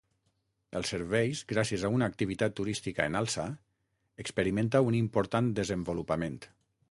Els serveis, gràcies a una activitat turística en alça, experimenta un important desenvolupament.